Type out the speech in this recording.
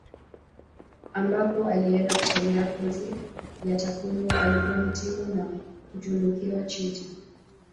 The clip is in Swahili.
Ambako alienda kusomea kozi ya takwimu alipohitimu na kutunikiwa cheti